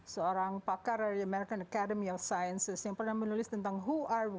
seorang pakar dari american academy of sciences yang pernah menulis tentang who are we